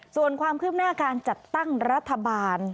ส่วนความคืบหน้าการจัดตั้งรัฐบาล